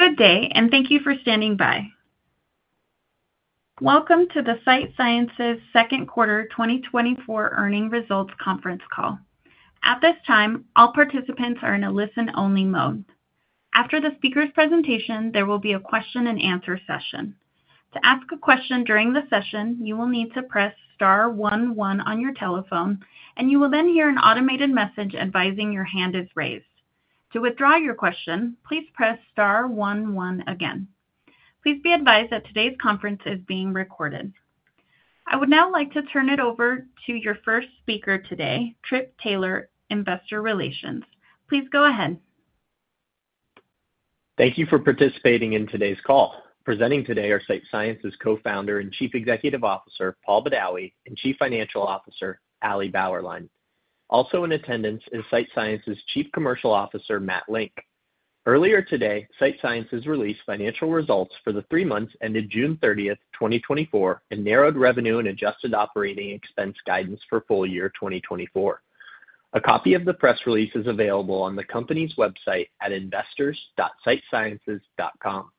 Good day, and thank you for standing by. Welcome to the Sight Sciences second quarter 2024 earnings results conference call. At this time, all participants are in a listen-only mode. After the speaker's presentation, there will be a question and answer session. To ask a question during the session, you will need to press star one one on your telephone, and you will then hear an automated message advising your hand is raised. To withdraw your question, please press star one one again. Please be advised that today's conference is being recorded. I would now like to turn it over to your first speaker today, Tripp Taylor, Investor Relations. Please go ahead. Thank you for participating in today's call. Presenting today are Sight Sciences Co-founder and Chief Executive Officer, Paul Badawi, and Chief Financial Officer, Ali Bauerlein. Also in attendance is Sight Sciences Chief Commercial Officer, Matt Link. Earlier today, Sight Sciences released financial results for the three months ended June 30, 2024, and narrowed revenue and adjusted operating expense guidance for full year 2024. A copy of the press release is available on the company's website at investors.sightsciences.com.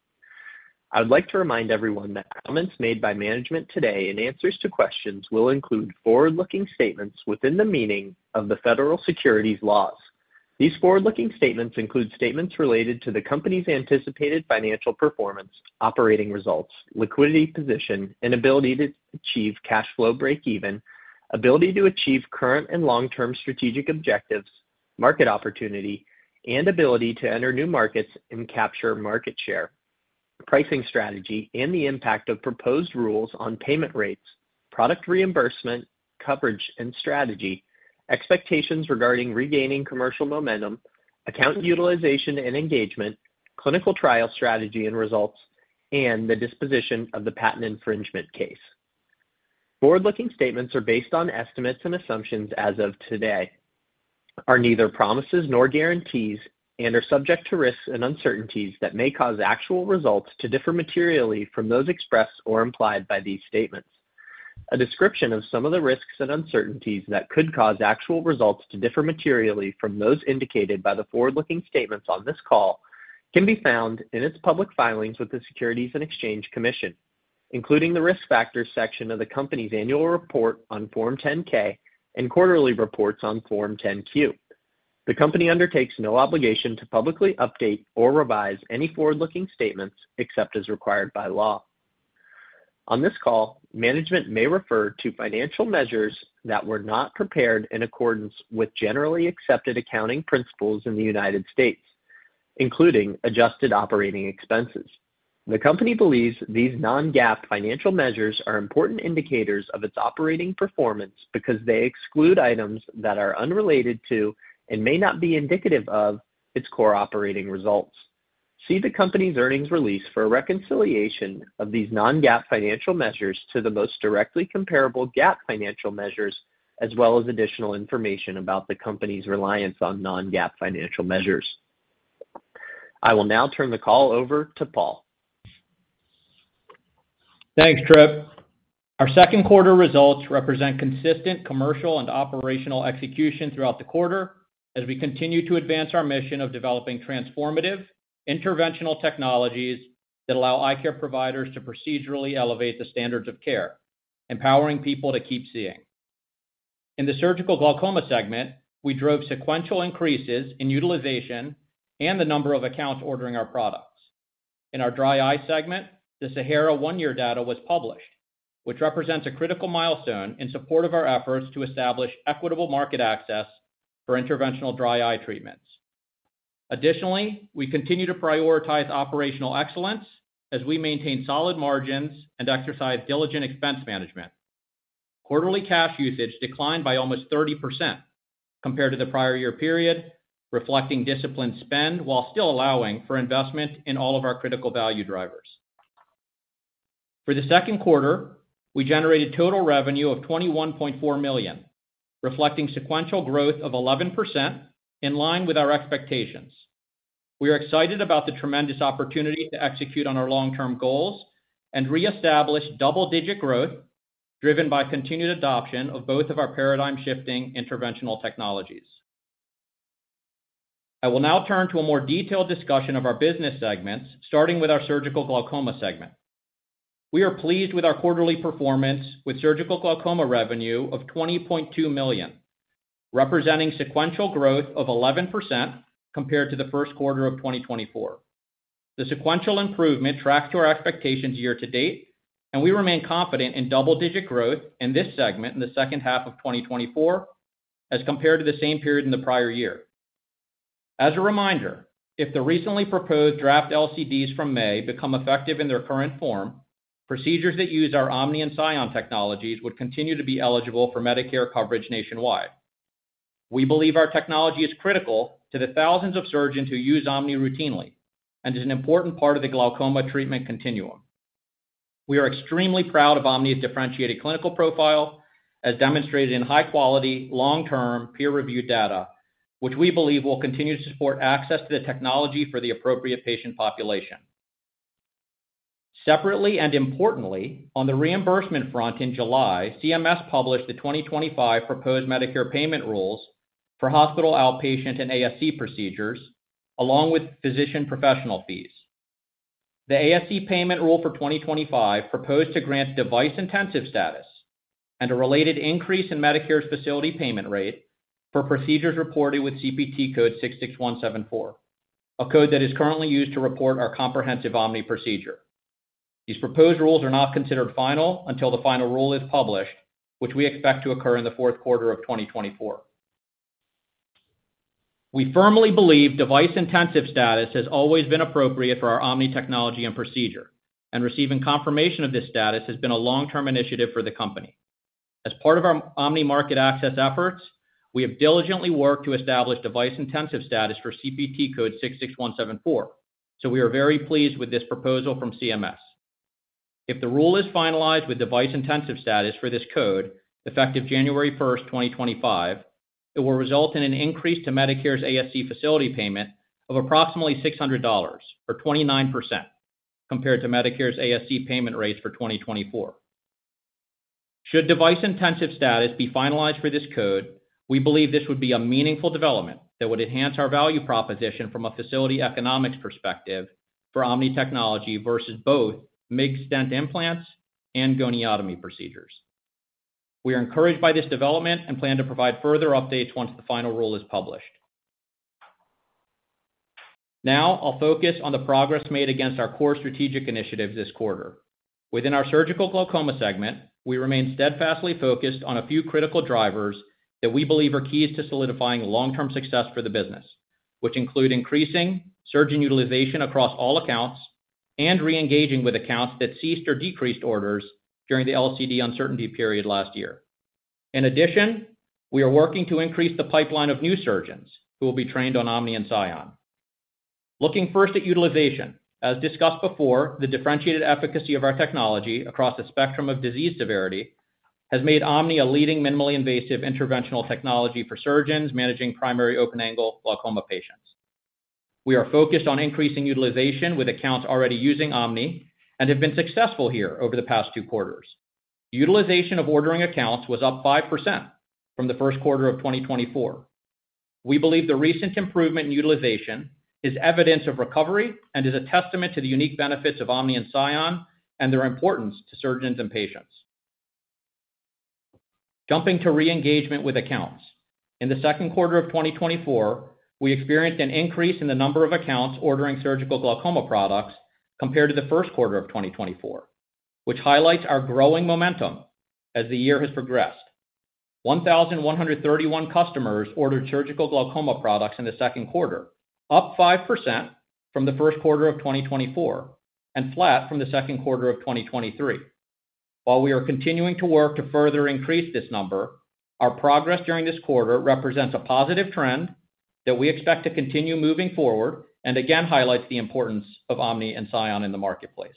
I would like to remind everyone that comments made by management today and answers to questions will include forward-looking statements within the meaning of the federal securities laws. These forward-looking statements include statements related to the company's anticipated financial performance, operating results, liquidity position, and ability to achieve cash flow breakeven, ability to achieve current and long-term strategic objectives, market opportunity and ability to enter new markets and capture market share, pricing strategy, and the impact of proposed rules on payment rates, product reimbursement, coverage and strategy, expectations regarding regaining commercial momentum, account utilization and engagement, clinical trial strategy and results, and the disposition of the patent infringement case. Forward-looking statements are based on estimates and assumptions as of today, are neither promises nor guarantees, and are subject to risks and uncertainties that may cause actual results to differ materially from those expressed or implied by these statements. A description of some of the risks and uncertainties that could cause actual results to differ materially from those indicated by the forward-looking statements on this call can be found in its public filings with the Securities and Exchange Commission, including the Risk Factors section of the company's annual report on Form 10-K and quarterly reports on Form 10-Q. The company undertakes no obligation to publicly update or revise any forward-looking statements except as required by law. On this call, management may refer to financial measures that were not prepared in accordance with generally accepted accounting principles in the United States, including adjusted operating expenses. The company believes these non-GAAP financial measures are important indicators of its operating performance because they exclude items that are unrelated to, and may not be indicative of, its core operating results. See the company's earnings release for a reconciliation of these non-GAAP financial measures to the most directly comparable GAAP financial measures, as well as additional information about the company's reliance on non-GAAP financial measures. I will now turn the call over to Paul. Thanks, Tripp. Our second quarter results represent consistent commercial and operational execution throughout the quarter as we continue to advance our mission of developing transformative, interventional technologies that allow eye care providers to procedurally elevate the standards of care, empowering people to keep seeing. In the surgical glaucoma segment, we drove sequential increases in utilization and the number of accounts ordering our products. In our dry eye segment, the SAHARA one-year data was published, which represents a critical milestone in support of our efforts to establish equitable market access for interventional dry eye treatments. Additionally, we continue to prioritize operational excellence as we maintain solid margins and exercise diligent expense management. Quarterly cash usage declined by almost 30% compared to the prior year period, reflecting disciplined spend, while still allowing for investment in all of our critical value drivers. For the second quarter, we generated total revenue of $21.4 million, reflecting sequential growth of 11% in line with our expectations. We are excited about the tremendous opportunity to execute on our long-term goals and reestablish double-digit growth, driven by continued adoption of both of our paradigm-shifting interventional technologies. I will now turn to a more detailed discussion of our business segments, starting with our surgical glaucoma segment. We are pleased with our quarterly performance with surgical glaucoma revenue of $20.2 million, representing sequential growth of 11% compared to the first quarter of 2024. The sequential improvement tracked to our expectations year to date, and we remain confident in double-digit growth in this segment in the second half of 2024 as compared to the same period in the prior year. As a reminder, if the recently proposed draft LCDs from May become effective in their current form, procedures that use our OMNI and SION technologies would continue to be eligible for Medicare coverage nationwide. We believe our technology is critical to the thousands of surgeons who use OMNI routinely and is an important part of the glaucoma treatment continuum. We are extremely proud of OMNI's differentiated clinical profile, as demonstrated in high quality, long-term, peer-reviewed data, which we believe will continue to support access to the technology for the appropriate patient population. Separately and importantly, on the reimbursement front in July, CMS published the 2025 proposed Medicare payment rules for hospital outpatient and ASC procedures, along with physician professional fees. The ASC payment rule for 2025 proposed to grant device-intensive status and a related increase in Medicare's facility payment rate for procedures reported with CPT code 66174, a code that is currently used to report our comprehensive OMNI procedure. These proposed rules are not considered final until the final rule is published, which we expect to occur in the fourth quarter of 2024. We firmly believe device-intensive status has always been appropriate for our OMNI technology and procedure, and receiving confirmation of this status has been a long-term initiative for the company. As part of our OMNI market access efforts, we have diligently worked to establish device-intensive status for CPT code 66174, so we are very pleased with this proposal from CMS. If the rule is finalized with device-intensive status for this code, effective January 1, 2025, it will result in an increase to Medicare's ASC facility payment of approximately $600, or 29%, compared to Medicare's ASC payment rates for 2024. Should device-intensive status be finalized for this code, we believe this would be a meaningful development that would enhance our value proposition from a facility economics perspective for OMNI technology versus both MIGS stent implants and goniotomy procedures. We are encouraged by this development and plan to provide further updates once the final rule is published. Now I'll focus on the progress made against our core strategic initiatives this quarter. Within our surgical glaucoma segment, we remain steadfastly focused on a few critical drivers that we believe are keys to solidifying long-term success for the business, which include increasing surgeon utilization across all accounts and reengaging with accounts that ceased or decreased orders during the LCD uncertainty period last year. In addition, we are working to increase the pipeline of new surgeons who will be trained on OMNI and SION. Looking first at utilization. As discussed before, the differentiated efficacy of our technology across a spectrum of disease severity has made OMNI a leading minimally invasive interventional technology for surgeons managing primary open-angle glaucoma patients. We are focused on increasing utilization with accounts already using OMNI and have been successful here over the past two quarters. Utilization of ordering accounts was up 5% from the first quarter of 2024. We believe the recent improvement in utilization is evidence of recovery and is a testament to the unique benefits of OMNI and SION and their importance to surgeons and patients. Jumping to reengagement with accounts. In the second quarter of 2024, we experienced an increase in the number of accounts ordering surgical glaucoma products compared to the first quarter of 2024, which highlights our growing momentum as the year has progressed. 1,131 customers ordered surgical glaucoma products in the second quarter, up 5% from the first quarter of 2024, and flat from the second quarter of 2023. While we are continuing to work to further increase this number, our progress during this quarter represents a positive trend that we expect to continue moving forward, and again, highlights the importance of OMNI and SION in the marketplace.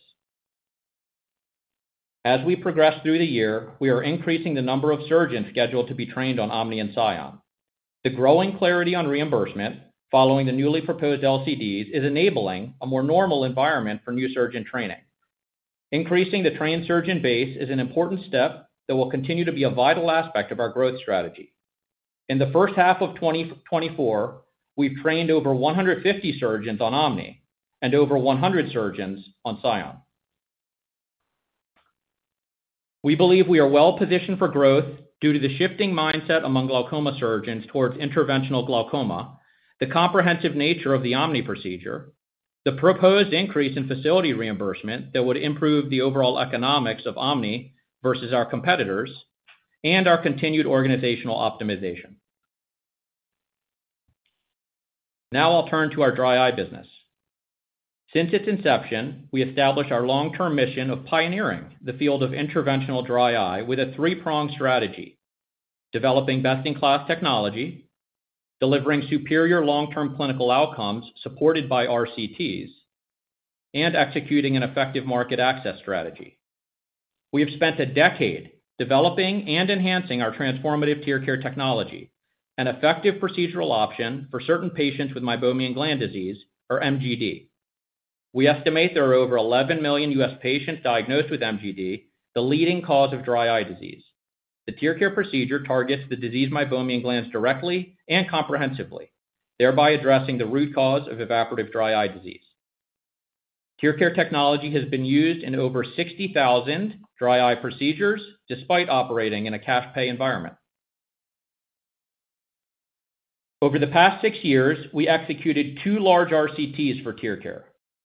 As we progress through the year, we are increasing the number of surgeons scheduled to be trained on OMNI and SION. The growing clarity on reimbursement following the newly proposed LCDs is enabling a more normal environment for new surgeon training. Increasing the trained surgeon base is an important step that will continue to be a vital aspect of our growth strategy. In the first half of 2024, we've trained over 150 surgeons on OMNI and over 100 surgeons on SION. We believe we are well positioned for growth due to the shifting mindset among glaucoma surgeons towards interventional glaucoma, the comprehensive nature of the OMNI procedure, the proposed increase in facility reimbursement that would improve the overall economics of OMNI versus our competitors, and our continued organizational optimization. Now I'll turn to our dry eye business. Since its inception, we established our long-term mission of pioneering the field of interventional dry eye with a three-pronged strategy: developing best-in-class technology, delivering superior long-term clinical outcomes supported by RCTs, and executing an effective market access strategy. We have spent a decade developing and enhancing our transformative TearCare technology, an effective procedural option for certain patients with meibomian gland disease, or MGD. We estimate there are over 11 million U.S. patients diagnosed with MGD, the leading cause of Dry Eye Disease. The TearCare procedure targets the diseased meibomian glands directly and comprehensively, thereby addressing the root cause of Evaporative Dry Eye Disease. TearCare technology has been used in over 60,000 dry eye procedures, despite operating in a cash pay environment. Over the past six years, we executed two large RCTs for TearCare,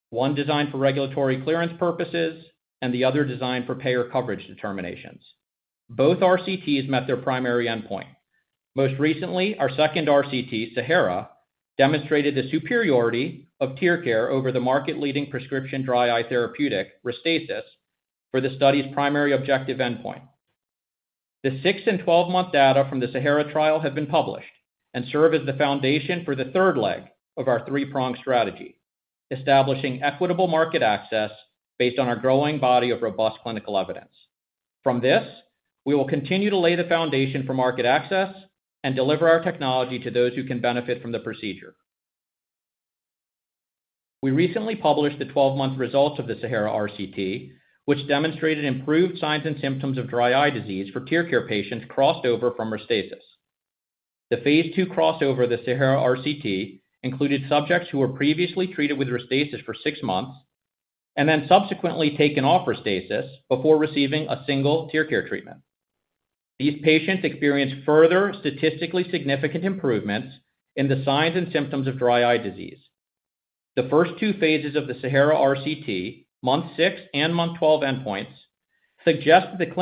one designed for regulatory clearance purposes and the other designed for payer coverage determinations. Both RCTs met their primary endpoint. Most recently, our second RCT, SAHARA, demonstrated the superiority of TearCare over the market-leading prescription dry eye therapeutic, RESTASIS, for the study's primary objective endpoint. The six- and 12-month data from the SAHARA trial have been published and serve as the foundation for the third leg of our three-pronged strategy, establishing equitable market access based on our growing body of robust clinical evidence. From this, we will continue to lay the foundation for market access and deliver our technology to those who can benefit from the procedure.... We recently published the 12-month results of the SAHARA RCT, which demonstrated improved signs and symptoms of dry eye disease for TearCare patients crossed over from RESTASIS. The phase II crossover of the SAHARA RCT included subjects who were previously treated with RESTASIS for six months, and then subsequently taken off RESTASIS before receiving a single TearCare treatment. These patients experienced further statistically significant improvements in the signs and symptoms of dry eye disease. The first two phases of the SAHARA RCT, month six and month 12 endpoints, suggest that the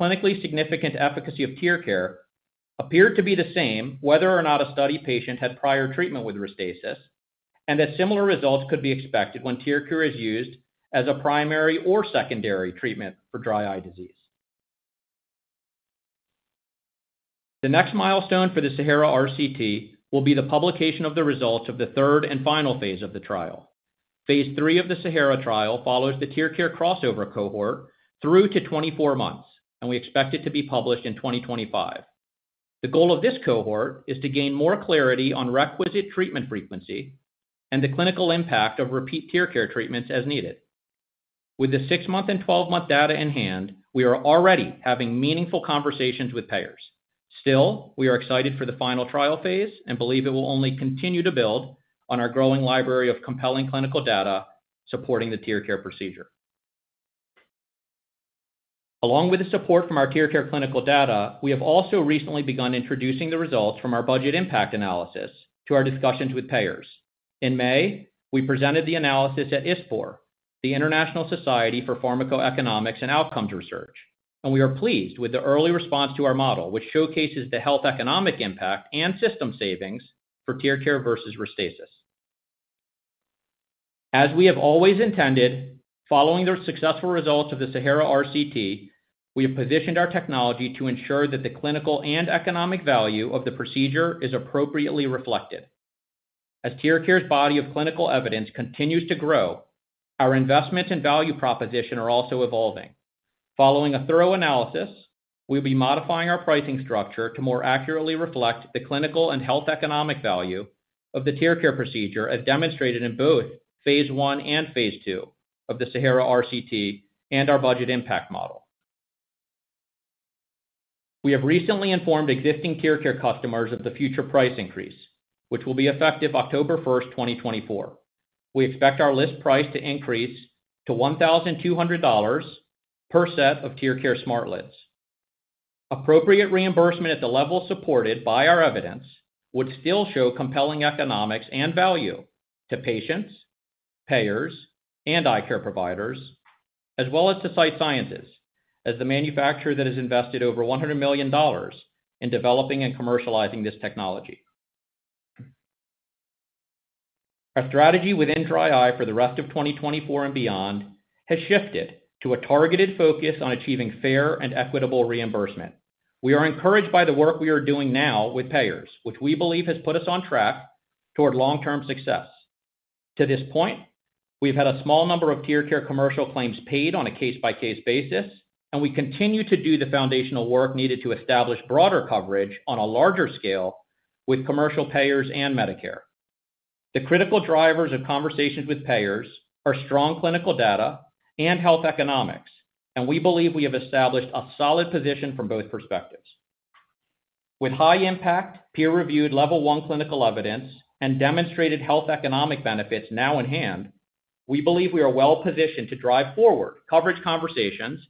clinically significant efficacy of TearCare appeared to be the same, whether or not a study patient had prior treatment with RESTASIS, and that similar results could be expected when TearCare is used as a primary or secondary treatment for dry eye disease. The next milestone for the SAHARA RCT will be the publication of the results of the third and final phase of the trial. phase III of the SAHARA trial follows the TearCare crossover cohort through to 24 months, and we expect it to be published in 2025. The goal of this cohort is to gain more clarity on requisite treatment frequency and the clinical impact of repeat TearCare treatments as needed. With the six-month and 12-month data in hand, we are already having meaningful conversations with payers. Still, we are excited for the final trial phase and believe it will only continue to build on our growing library of compelling clinical data supporting the TearCare procedure. Along with the support from our TearCare clinical data, we have also recently begun introducing the results from our budget impact analysis to our discussions with payers. In May, we presented the analysis at ISPOR, the International Society for Pharmacoeconomics and Outcomes Research, and we are pleased with the early response to our model, which showcases the health economic impact and system savings for TearCare versus RESTASIS. As we have always intended, following the successful results of the SAHARA RCT, we have positioned our technology to ensure that the clinical and economic value of the procedure is appropriately reflected. As TearCare's body of clinical evidence continues to grow, our investments and value proposition are also evolving. Following a thorough analysis, we'll be modifying our pricing structure to more accurately reflect the clinical and health economic value of the TearCare procedure, as demonstrated in both phase I and phase II of the SAHARA RCT and our budget impact model. We have recently informed existing TearCare customers of the future price increase, which will be effective October 1, 2024. We expect our list price to increase to $1,200 per set of TearCare SmartLids. Appropriate reimbursement at the level supported by our evidence would still show compelling economics and value to patients, payers, and eye care providers, as well as to Sight Sciences, as the manufacturer that has invested over $100 million in developing and commercializing this technology. Our strategy within dry eye for the rest of 2024 and beyond has shifted to a targeted focus on achieving fair and equitable reimbursement. We are encouraged by the work we are doing now with payers, which we believe has put us on track toward long-term success. To this point, we've had a small number of TearCare commercial claims paid on a case-by-case basis, and we continue to do the foundational work needed to establish broader coverage on a larger scale with commercial payers and Medicare. The critical drivers of conversations with payers are strong clinical data and health economics, and we believe we have established a solid position from both perspectives. With high impact, peer-reviewed level one clinical evidence and demonstrated health economic benefits now in hand, we believe we are well positioned to drive forward coverage conversations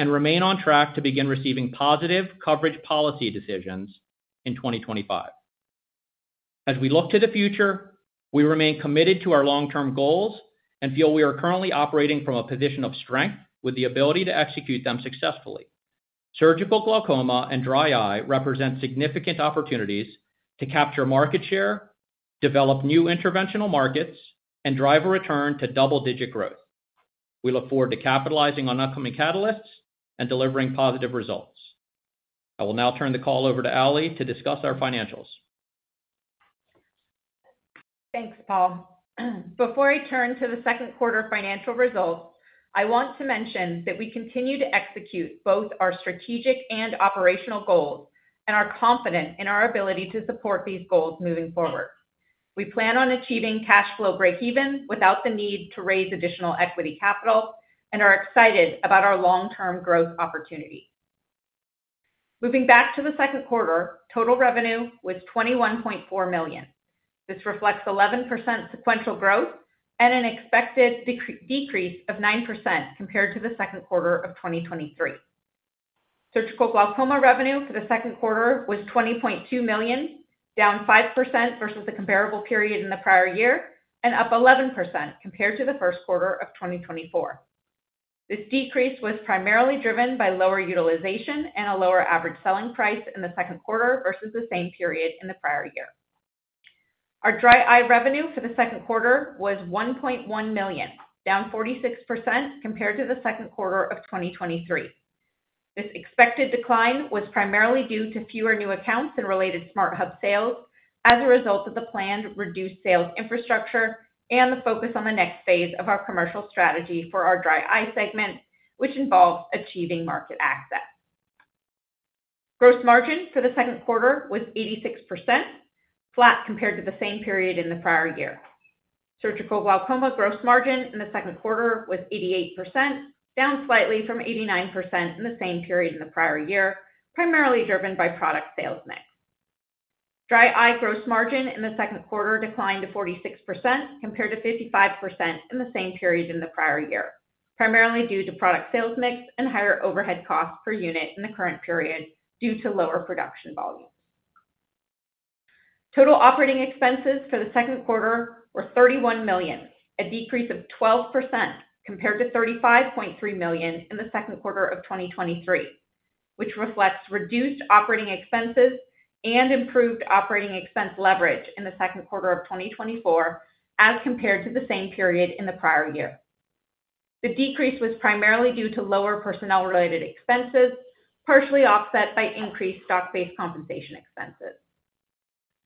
and remain on track to begin receiving positive coverage policy decisions in 2025. As we look to the future, we remain committed to our long-term goals and feel we are currently operating from a position of strength with the ability to execute them successfully. Surgical glaucoma and dry eye represent significant opportunities to capture market share, develop new interventional markets, and drive a return to double-digit growth. We look forward to capitalizing on upcoming catalysts and delivering positive results. I will now turn the call over to Ali to discuss our financials. Thanks, Paul. Before I turn to the second quarter financial results, I want to mention that we continue to execute both our strategic and operational goals, and are confident in our ability to support these goals moving forward. We plan on achieving cash flow breakeven without the need to raise additional equity capital and are excited about our long-term growth opportunity. Moving back to the second quarter, total revenue was $21.4 million. This reflects 11% sequential growth and an expected decrease of 9% compared to the second quarter of 2023. Surgical glaucoma revenue for the second quarter was $20.2 million, down 5% versus the comparable period in the prior year, and up 11% compared to the first quarter of 2024. This decrease was primarily driven by lower utilization and a lower average selling price in the second quarter versus the same period in the prior year. Our dry eye revenue for the second quarter was $1.1 million, down 46% compared to the second quarter of 2023. This expected decline was primarily due to fewer new accounts and related SmartHub sales as a result of the planned reduced sales infrastructure and the focus on the next phase of our commercial strategy for our dry eye segment, which involves achieving market access.... Gross margin for the second quarter was 86%, flat compared to the same period in the prior year. Surgical glaucoma gross margin in the second quarter was 88%, down slightly from 89% in the same period in the prior year, primarily driven by product sales mix. Dry eye gross margin in the second quarter declined to 46%, compared to 55% in the same period in the prior year, primarily due to product sales mix and higher overhead costs per unit in the current period due to lower production volumes. Total operating expenses for the second quarter were $31 million, a decrease of 12% compared to $35.3 million in the second quarter of 2023, which reflects reduced operating expenses and improved operating expense leverage in the second quarter of 2024 as compared to the same period in the prior year. The decrease was primarily due to lower personnel-related expenses, partially offset by increased stock-based compensation expenses.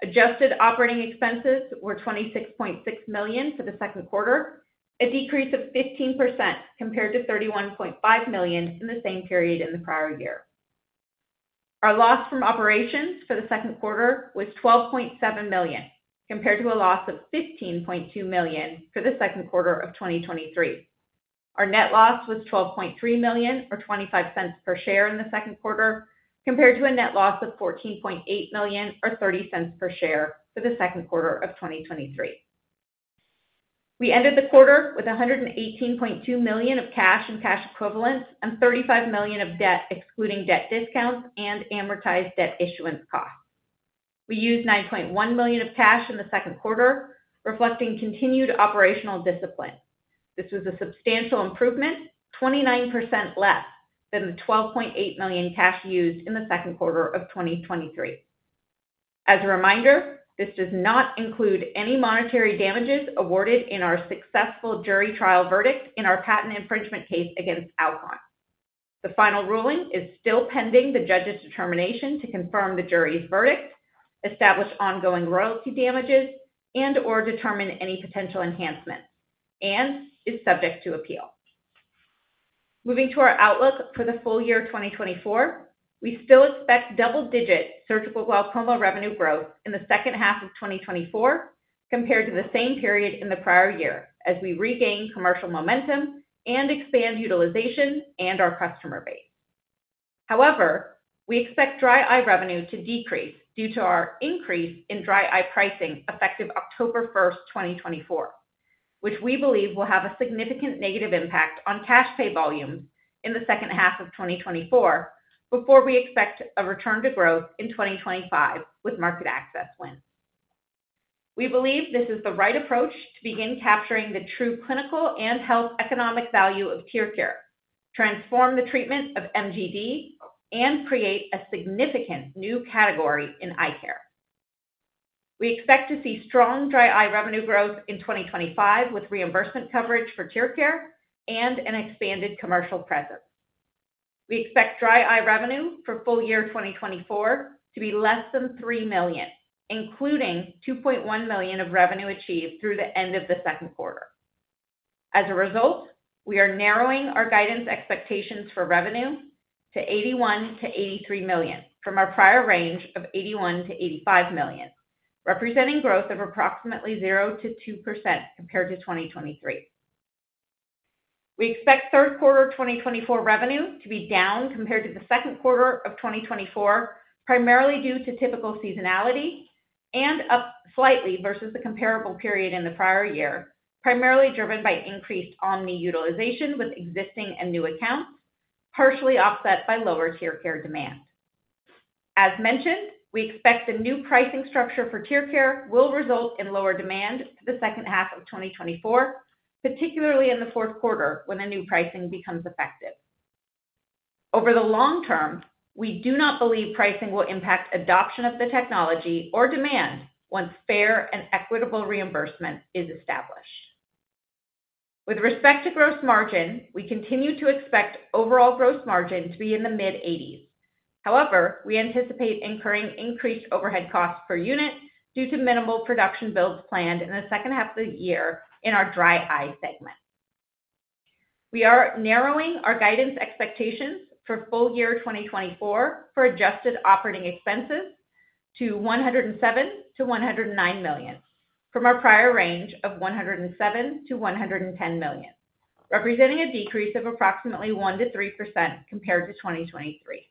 Adjusted operating expenses were $26.6 million for the second quarter, a decrease of 15% compared to $31.5 million in the same period in the prior year. Our loss from operations for the second quarter was $12.7 million, compared to a loss of $15.2 million for the second quarter of 2023. Our net loss was $12.3 million, or $0.25 per share in the second quarter, compared to a net loss of $14.8 million, or $0.30 per share, for the second quarter of 2023. We ended the quarter with $118.2 million of cash and cash equivalents, and $35 million of debt, excluding debt discounts and amortized debt issuance costs. We used $9.1 million of cash in the second quarter, reflecting continued operational discipline. This was a substantial improvement, 29% less than the $12.8 million cash used in the second quarter of 2023. As a reminder, this does not include any monetary damages awarded in our successful jury trial verdict in our patent infringement case against Alcon. The final ruling is still pending the judge's determination to confirm the jury's verdict, establish ongoing royalty damages, and/or determine any potential enhancements, and is subject to appeal. Moving to our outlook for the full year of 2024, we still expect double-digit surgical glaucoma revenue growth in the second half of 2024 compared to the same period in the prior year, as we regain commercial momentum and expand utilization and our customer base. However, we expect dry eye revenue to decrease due to our increase in dry eye pricing, effective October 1, 2024, which we believe will have a significant negative impact on cash pay volumes in the second half of 2024, before we expect a return to growth in 2025 with market access wins. We believe this is the right approach to begin capturing the true clinical and health economic value of TearCare, transform the treatment of MGD, and create a significant new category in eye care. We expect to see strong dry eye revenue growth in 2025, with reimbursement coverage for TearCare and an expanded commercial presence. We expect dry eye revenue for full year 2024 to be less than $3 million, including $2.1 million of revenue achieved through the end of the second quarter. As a result, we are narrowing our guidance expectations for revenue to $81 million-$83 million from our prior range of $81 million-$85 million, representing growth of approximately 0%-2% compared to 2023. We expect third quarter 2024 revenue to be down compared to the second quarter of 2024, primarily due to typical seasonality and up slightly versus the comparable period in the prior year, primarily driven by increased OMNI utilization with existing and new accounts, partially offset by lower TearCare demand. As mentioned, we expect the new pricing structure for TearCare will result in lower demand for the second half of 2024, particularly in the fourth quarter, when the new pricing becomes effective. Over the long term, we do not believe pricing will impact adoption of the technology or demand once fair and equitable reimbursement is established. With respect to gross margin, we continue to expect overall gross margin to be in the mid-80s%. However, we anticipate incurring increased overhead costs per unit due to minimal production builds planned in the second half of the year in our dry eye segment. We are narrowing our guidance expectations for full year 2024 for adjusted operating expenses to $107 million-$109 million, from our prior range of $107 million-$110 million, representing a decrease of approximately 1%-3% compared to 2023.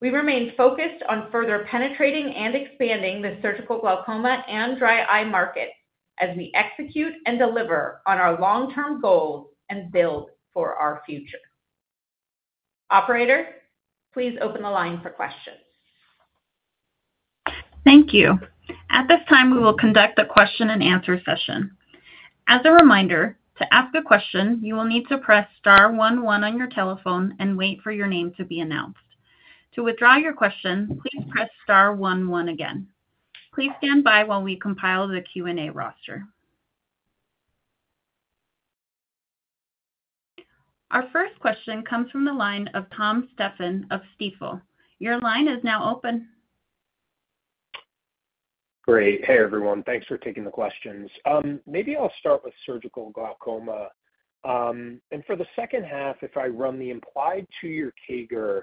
We remain focused on further penetrating and expanding the surgical glaucoma and dry eye market as we execute and deliver on our long-term goals and build for our future. Operator, please open the line for questions. Thank you. At this time, we will conduct a question-and-answer session. As a reminder, to ask a question, you will need to press star one one on your telephone and wait for your name to be announced. To withdraw your question, please press star one one again. Please stand by while we compile the Q&A roster. Our first question comes from the line of Tom Stephan of Stifel. Your line is now open.... Great. Hey, everyone. Thanks for taking the questions. Maybe I'll start with surgical glaucoma. And for the second half, if I run the implied two-year CAGR,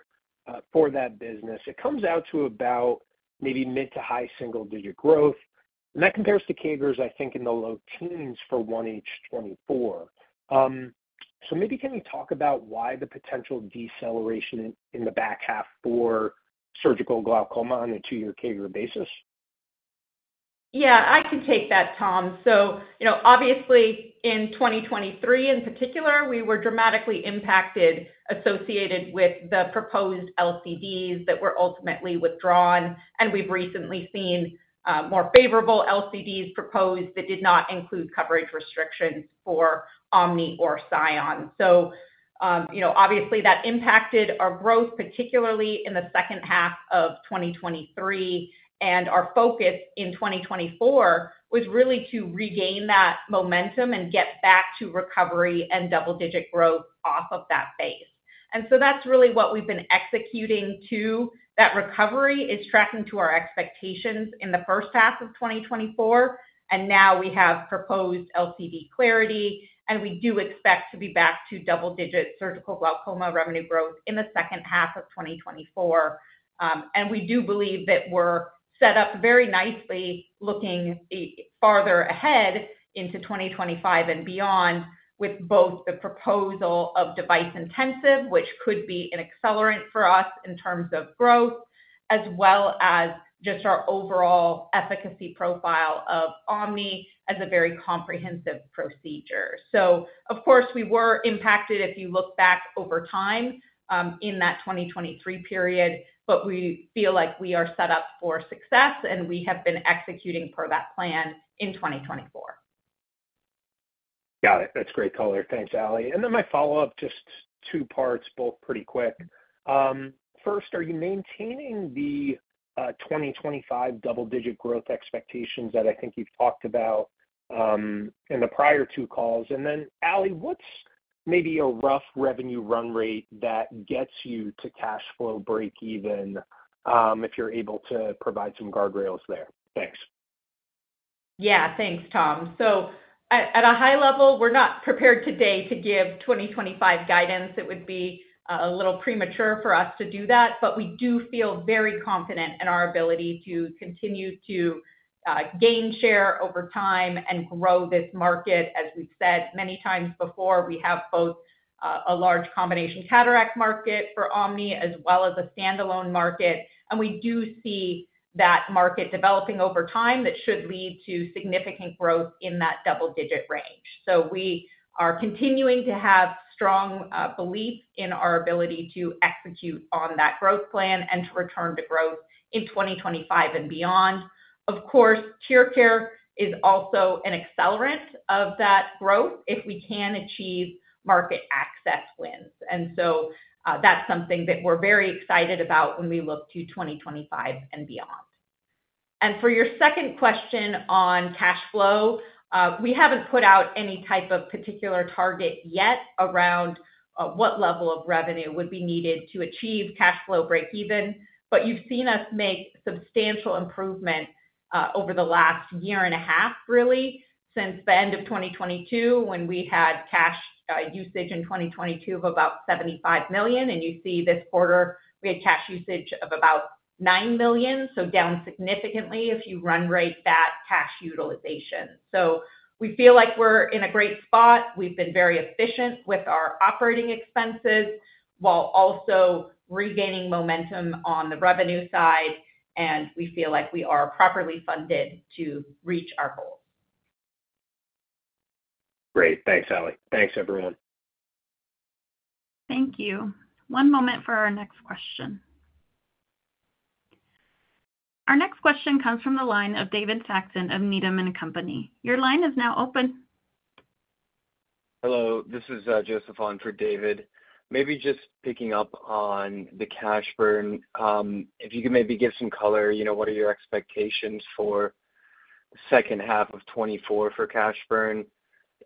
for that business, it comes out to about maybe mid- to high single-digit growth, and that compares to CAGRs, I think, in the low teens for 1H 2024. So maybe can you talk about why the potential deceleration in the back half for surgical glaucoma on a two-year CAGR basis? Yeah, I can take that, Tom. So, you know, obviously, in 2023, in particular, we were dramatically impacted associated with the proposed LCDs that were ultimately withdrawn, and we've recently seen more favorable LCDs proposed that did not include coverage restrictions for OMNI or SION. So, you know, obviously, that impacted our growth, particularly in the second half of 2023, and our focus in 2024 was really to regain that momentum and get back to recovery and double-digit growth off of that base. And so that's really what we've been executing to. That recovery is tracking to our expectations in the first half of 2024, and now we have proposed LCD clarity, and we do expect to be back to double-digit surgical glaucoma revenue growth in the second half of 2024. We do believe that we're set up very nicely, looking farther ahead into 2025 and beyond, with both the proposal of device-intensive, which could be an accelerant for us in terms of growth, as well as just our overall efficacy profile of OMNI as a very comprehensive procedure. Of course, we were impacted, if you look back over time, in that 2023 period, but we feel like we are set up for success, and we have been executing per that plan in 2024. Got it. That's great color. Thanks, Ali. And then my follow-up, just two parts, both pretty quick. First, are you maintaining the 2025 double-digit growth expectations that I think you've talked about in the prior two calls? And then, Ali, what's maybe a rough revenue run rate that gets you to cash flow breakeven, if you're able to provide some guardrails there? Thanks. Yeah. Thanks, Tom. So at, at a high level, we're not prepared today to give 2025 guidance. It would be, a little premature for us to do that, but we do feel very confident in our ability to continue to, gain share over time and grow this market. As we've said many times before, we have both, a large combination cataract market for OMNI as well as a standalone market, and we do see that market developing over time. That should lead to significant growth in that double-digit range. So we are continuing to have strong, belief in our ability to execute on that growth plan and to return to growth in 2025 and beyond. Of course, TearCare is also an accelerant of that growth if we can achieve market access wins. So, that's something that we're very excited about when we look to 2025 and beyond. For your second question on cash flow, we haven't put out any type of particular target yet around what level of revenue would be needed to achieve cash flow breakeven, but you've seen us make substantial improvement over the last year and a half, really, since the end of 2022, when we had cash usage in 2022 of about $75 million, and you see this quarter, we had cash usage of about $9 million, so down significantly if you run rate that cash utilization. So we feel like we're in a great spot. We've been very efficient with our operating expenses, while also regaining momentum on the revenue side, and we feel like we are properly funded to reach our goals. Great. Thanks, Ali. Thanks, everyone. Thank you. One moment for our next question. Our next question comes from the line of David Saxon of Needham & Company. Your line is now open. Hello, this is Joseph on for David. Maybe just picking up on the cash burn, if you could maybe give some color, you know, what are your expectations for second half of 2024 for cash burn?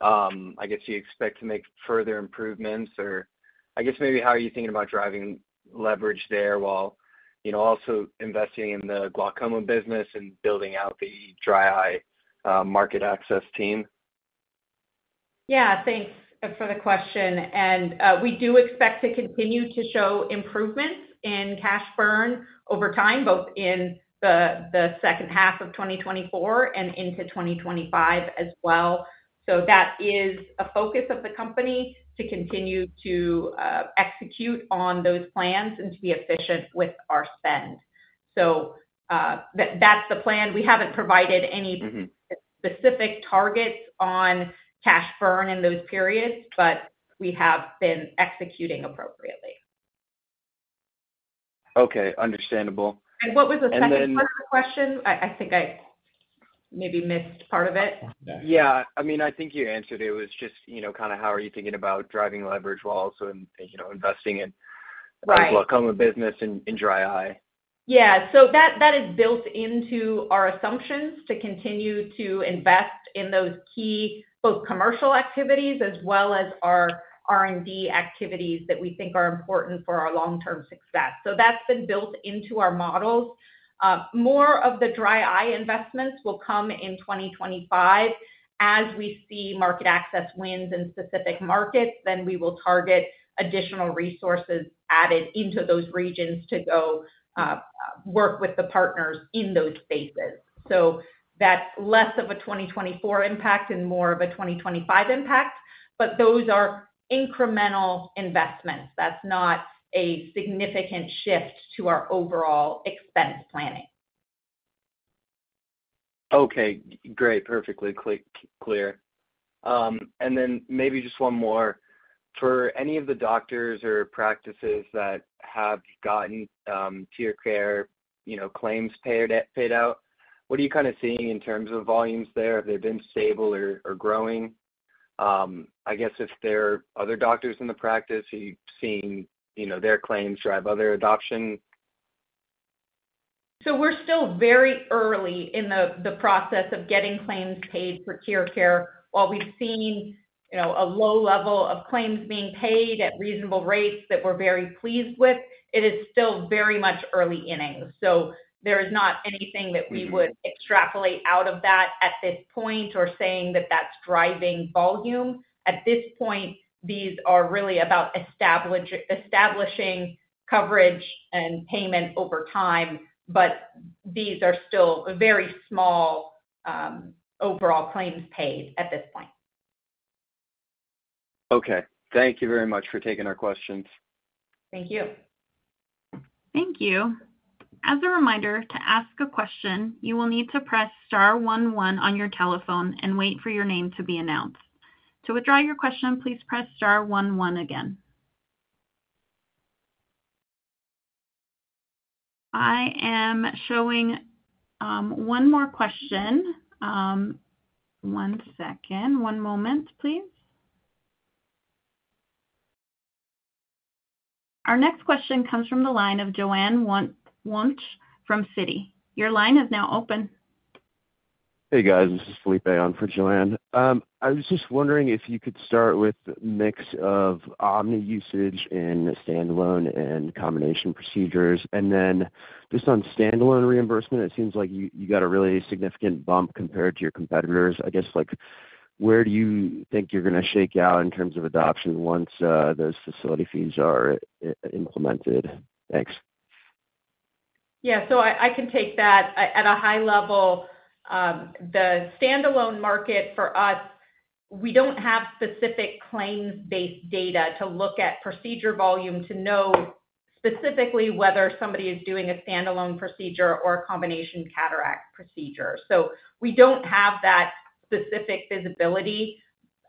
I guess you expect to make further improvements, or I guess maybe how are you thinking about driving leverage there while, you know, also investing in the glaucoma business and building out the dry eye market access team? Yeah, thanks for the question, and we do expect to continue to show improvements in cash burn over time, both in the second half of 2024 and into 2025 as well. So that is a focus of the company, to continue to execute on those plans and to be efficient with our spend. So, that's the plan. We haven't provided any- Mm-hmm. specific targets on cash burn in those periods, but we have been executing appropriately. Okay, understandable. What was the second part of the question? And then- I think I maybe missed part of it. Yeah. I mean, I think you answered it. It was just, you know, kind of how are you thinking about driving leverage while also, you know, investing in-...... both glaucoma business and, and dry eye. Yeah. So that is built into our assumptions to continue to invest in those key, both commercial activities as well as our R&D activities that we think are important for our long-term success. So that's been built into our models. More of the dry eye investments will come in 2025. As we see market access wins in specific markets, then we will target additional resources added into those regions to go work with the partners in those spaces. So that's less of a 2024 impact and more of a 2025 impact, but those are incremental investments. That's not a significant shift to our overall expense planning. Okay, great. Perfectly clear. And then maybe just one more. For any of the doctors or practices that have gotten TearCare, you know, claims paid out, what are you kind of seeing in terms of volumes there? Have they been stable or growing? I guess if there are other doctors in the practice, are you seeing, you know, their claims drive other adoption? So we're still very early in the process of getting claims paid for TearCare. While we've seen, you know, a low level of claims being paid at reasonable rates that we're very pleased with, it is still very much early innings. So there is not anything that we would extrapolate out of that at this point or saying that that's driving volume. At this point, these are really about establishing coverage and payment over time, but these are still very small overall claims paid at this point. Okay. Thank you very much for taking our questions. Thank you. Thank you. As a reminder, to ask a question, you will need to press star one one on your telephone and wait for your name to be announced. To withdraw your question, please press star one one again. I am showing one more question. One second. One moment, please. Our next question comes from the line of Joanne Wuensch from Citi. Your line is now open. Hey, guys, this is Philippe on for Joanne. I was just wondering if you could start with mix of OMNI usage in standalone and combination procedures. And then just on standalone reimbursement, it seems like you got a really significant bump compared to your competitors. I guess, like, where do you think you're going to shake out in terms of adoption once those facility fees are implemented? Thanks. Yeah. So I can take that. At a high level, the standalone market for us, we don't have specific claims-based data to look at procedure volume to know specifically whether somebody is doing a standalone procedure or a combination cataract procedure. So we don't have that specific visibility.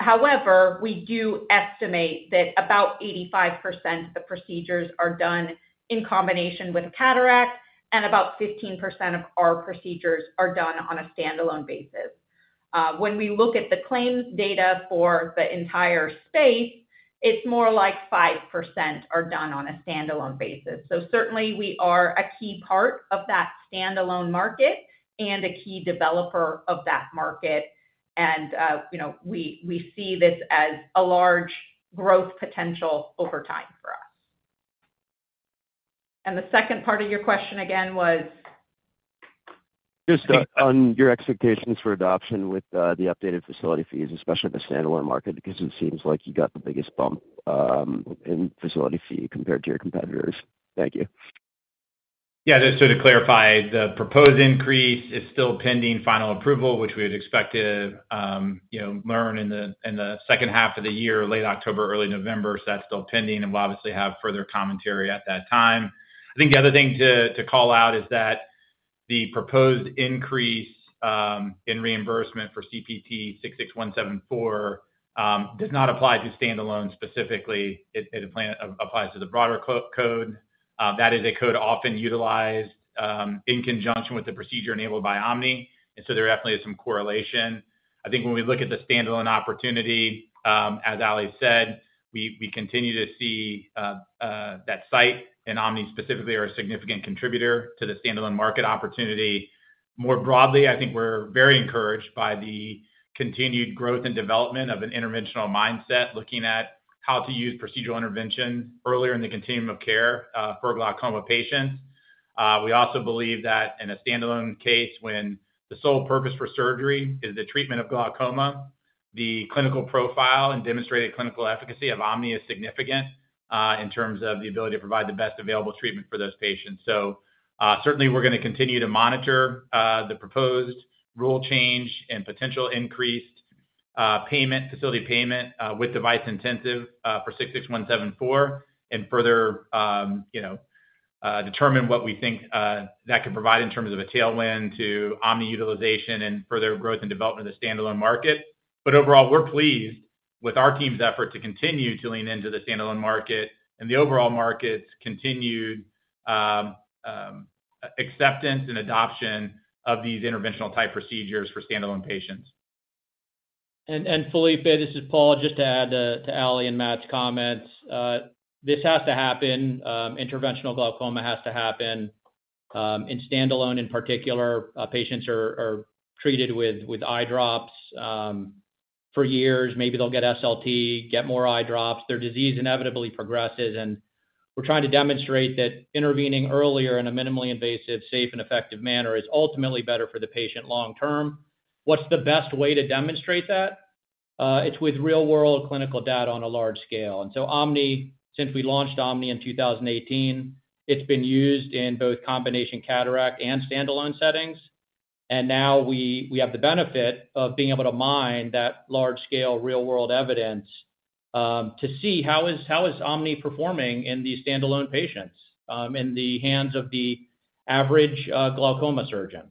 However, we do estimate that about 85% of the procedures are done in combination with cataract, and about 15% of our procedures are done on a standalone basis. When we look at the claims data for the entire space, it's more like 5% are done on a standalone basis. So certainly, we are a key part of that standalone market and a key developer of that market. And, you know, we see this as a large growth potential over time for us. And the second part of your question again was? Just on your expectations for adoption with the updated facility fees, especially in the standalone market, because it seems like you got the biggest bump in facility fee compared to your competitors. Thank you. Yeah, just to clarify, the proposed increase is still pending final approval, which we would expect to you know, learn in the second half of the year, late October, early November. So that's still pending, and we'll obviously have further commentary at that time. I think the other thing to call out is that the proposed increase in reimbursement for CPT 66174 does not apply to standalone specifically. It applies to the broader code. That is a code often utilized in conjunction with the procedure enabled by OMNI, and so there definitely is some correlation. I think when we look at the standalone opportunity, as Ali said, we continue to see that Sight and OMNI specifically are a significant contributor to the standalone market opportunity. More broadly, I think we're very encouraged by the continued growth and development of an interventional mindset, looking at how to use procedural intervention earlier in the continuum of care, for glaucoma patients. We also believe that in a standalone case, when the sole purpose for surgery is the treatment of glaucoma, the clinical profile and demonstrated clinical efficacy of OMNI is significant, in terms of the ability to provide the best available treatment for those patients. So, certainly we're going to continue to monitor the proposed rule change and potential increased payment, facility payment, with device-intensive, for 66174, and further, you know, determine what we think that could provide in terms of a tailwind to OMNI utilization and further growth and development of the standalone market. But overall, we're pleased with our team's effort to continue to lean into the standalone market and the overall market's continued acceptance and adoption of these interventional type procedures for standalone patients.... And, Philippe, this is Paul. Just to add to Ali and Matt's comments, this has to happen. Interventional glaucoma has to happen in standalone, in particular. Patients are treated with eye drops for years. Maybe they'll get SLT, get more eye drops. Their disease inevitably progresses, and we're trying to demonstrate that intervening earlier in a minimally invasive, safe, and effective manner is ultimately better for the patient long term. What's the best way to demonstrate that? It's with real-world clinical data on a large scale. And so OMNI, since we launched OMNI in 2018, it's been used in both combination cataract and standalone settings. Now we have the benefit of being able to mine that large-scale, real-world evidence, to see how is OMNI performing in these standalone patients, in the hands of the average glaucoma surgeon.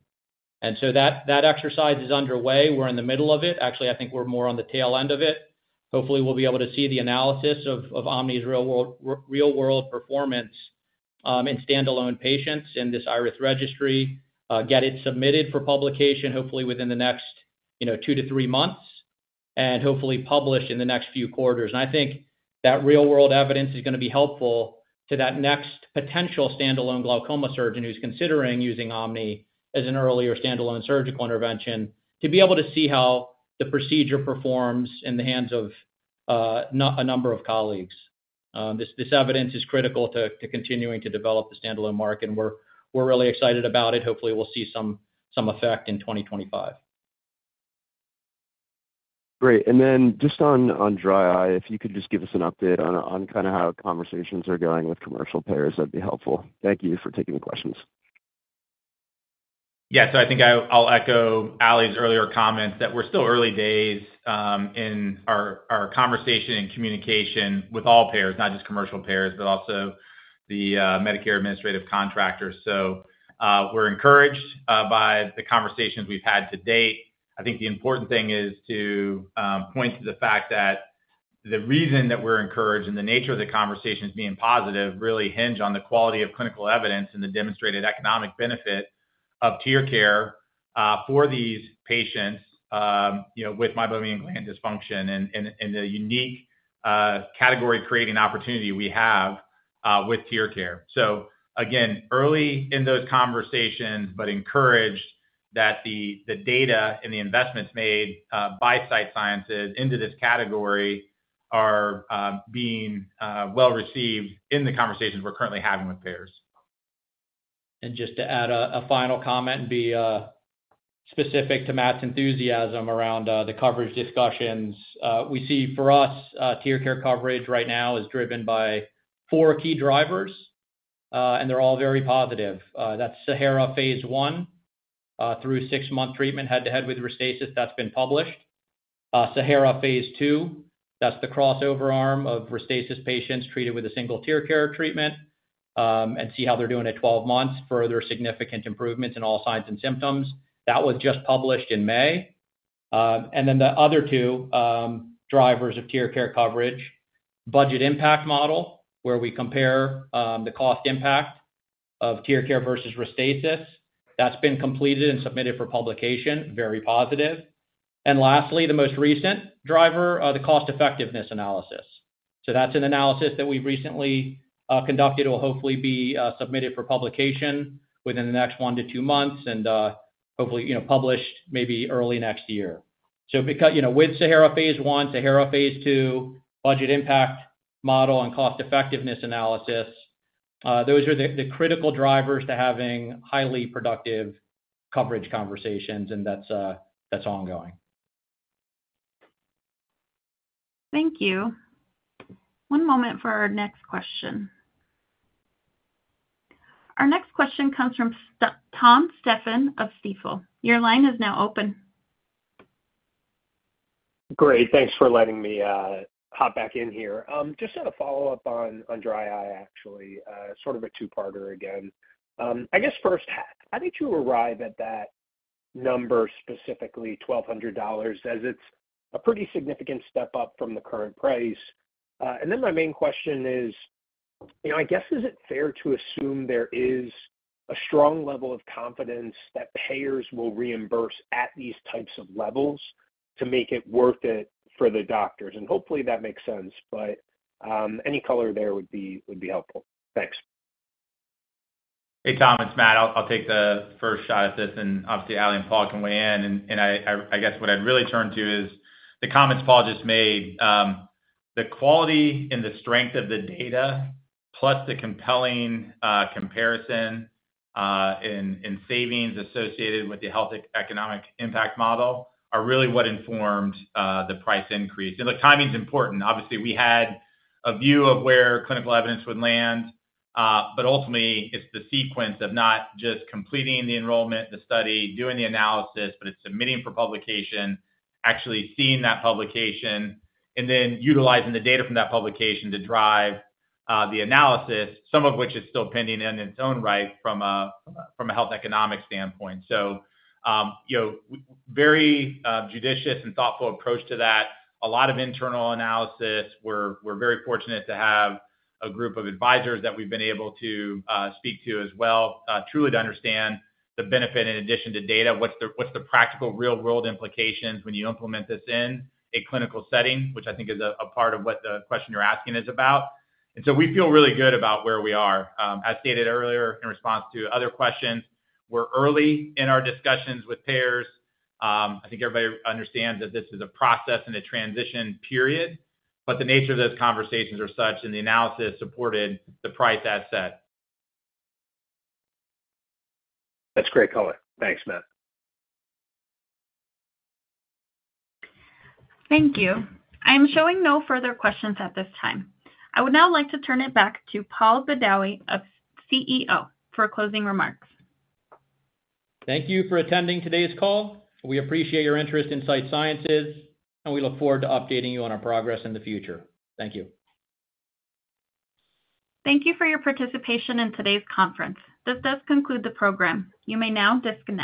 So that exercise is underway. We're in the middle of it. Actually, I think we're more on the tail end of it. Hopefully, we'll be able to see the analysis of OMNI's real-world performance in standalone patients in this IRIS Registry, get it submitted for publication, hopefully within the next, you know, two to three months, and hopefully published in the next few quarters. I think that real-world evidence is gonna be helpful to that next potential standalone glaucoma surgeon who's considering using OMNI as an earlier standalone surgical intervention, to be able to see how the procedure performs in the hands of a number of colleagues. This evidence is critical to continuing to develop the standalone market, and we're really excited about it. Hopefully, we'll see some effect in 2025. Great. And then just on dry eye, if you could just give us an update on kind of how conversations are going with commercial payers, that'd be helpful. Thank you for taking the questions. Yeah, so I think I'll echo Ali's earlier comments, that we're still early days in our conversation and communication with all payers, not just commercial payers, but also the Medicare administrative contractors. So, we're encouraged by the conversations we've had to date. I think the important thing is to point to the fact that the reason that we're encouraged and the nature of the conversations being positive really hinge on the quality of clinical evidence and the demonstrated economic benefit of TearCare for these patients, you know, with meibomian gland dysfunction and the unique category-creating opportunity we have with TearCare. So again, early in those conversations, but encouraged that the data and the investments made by Sight Sciences into this category are being well received in the conversations we're currently having with payers. Just to add a final comment and be specific to Matt's enthusiasm around the coverage discussions. We see for us, TearCare coverage right now is driven by four key drivers, and they're all very positive. That's SAHARA phase I through six-month treatment, head-to-head with RESTASIS, that's been published. SAHARA phase II, that's the crossover arm of RESTASIS patients treated with a single TearCare treatment, and see how they're doing at 12 months. Further significant improvements in all signs and symptoms. That was just published in May. And then the other two drivers of TearCare coverage, budget impact model, where we compare the cost impact of TearCare versus RESTASIS. That's been completed and submitted for publication, very positive. And lastly, the most recent driver, the cost-effectiveness analysis. So that's an analysis that we've recently conducted. It'll hopefully be submitted for publication within the next one to two months and hopefully, you know, published maybe early next year. So you know, with SAHARA phase I, SAHARA phase II, budget impact model, and cost-effectiveness analysis, those are the critical drivers to having highly productive coverage conversations, and that's ongoing. Thank you. One moment for our next question. Our next question comes from Tom Stephan of Stifel. Your line is now open. Great. Thanks for letting me hop back in here. Just as a follow-up on dry eye, actually. Sort of a two-parter again. I guess first, how did you arrive at that number, specifically $1,200, as it's a pretty significant step up from the current price? And then my main question is, you know, I guess, is it fair to assume there is a strong level of confidence that payers will reimburse at these types of levels to make it worth it for the doctors? And hopefully that makes sense, but any color there would be helpful. Thanks. Hey, Tom, it's Matt. I'll take the first shot at this, and obviously, Ali and Paul can weigh in. And I guess what I'd really turn to is the comments Paul just made. The quality and the strength of the data, plus the compelling comparison in savings associated with the health economic impact model, are really what informed the price increase. And the timing's important. Obviously, we had a view of where clinical evidence would land, but ultimately, it's the sequence of not just completing the enrollment, the study, doing the analysis, but it's submitting for publication, actually seeing that publication, and then utilizing the data from that publication to drive the analysis, some of which is still pending in its own right from a health economic standpoint. So, you know, very judicious and thoughtful approach to that. A lot of internal analysis. We're very fortunate to have a group of advisors that we've been able to speak to as well, truly to understand the benefit in addition to data. What's the practical, real-world implications when you implement this in a clinical setting? Which I think is a part of what the question you're asking is about. And so we feel really good about where we are. As stated earlier, in response to other questions, we're early in our discussions with payers. I think everybody understands that this is a process and a transition period, but the nature of those conversations are such, and the analysis supported the price that's set. That's great color. Thanks, Matt. Thank you. I am showing no further questions at this time. I would now like to turn it back to Paul Badawi, our CEO, for closing remarks. Thank you for attending today's call. We appreciate your interest in Sight Sciences, and we look forward to updating you on our progress in the future. Thank you. Thank you for your participation in today's conference. This does conclude the program. You may now disconnect.